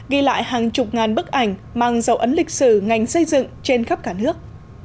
ghi lại hàng chục ngàn bức ảnh mang dấu ấn lịch sử ngành xây dựng trên khắp cả nước